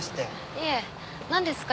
いえ何ですか？